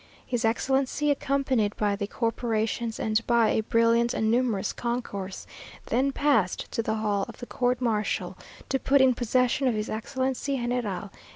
His Excellency, accompanied by the corporations and by a brilliant and numerous concourse, then passed to the hall of the court martial, to put in possession of his Excellency General D.